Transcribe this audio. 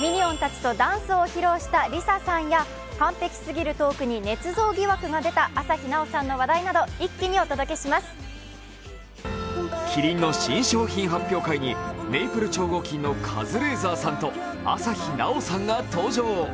ミニオンたちとダンスを披露したＬｉＳＡさんや完璧すぎるトークにねつ造疑惑が出た朝日奈央さんの話題などキリンの新商品発表会にメイプル超合金のカズレーザーさんと朝日奈央さんが登場。